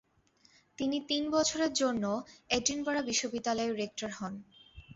তিনি তিন বছরের জন্য এডিনবরা বিশ্ববিদ্যালয়ের রেক্টর হন।